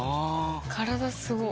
体すごっ！